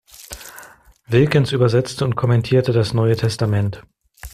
Wilckens übersetzte und kommentierte das Neue Testament.